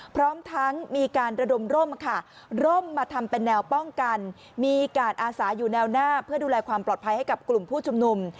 พร้อมทั้งมีการระดมร่มค่ะร่มมาทำเป็นแนวป้องกันมีการอาสาอยู่แนวหน้าเพื่อดูแลความปลอดภัยให้กับกลุ่มผู้ชุมนุม